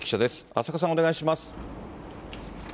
浅賀さん、お願いします。